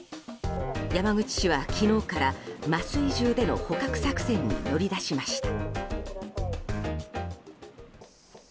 山口市は昨日から麻酔銃での捕獲作戦に乗り出しました。